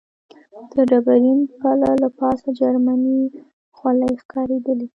د ډبرین پله له پاسه جرمنۍ خولۍ ښکارېدلې.